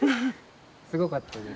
すごかったです。